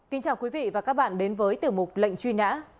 kính chào quý vị và các bạn đến với tiểu mục lệnh truy nã